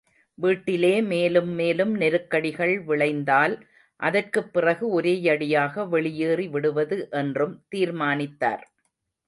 வீட்டிலே மேலும் மேலும் நெருக்கடிகள் விளைந்தால், அதற்குப் பிறகு ஒரேயடியாக வெளியேறி விடுவது என்றும் தீர்மானித்தார்.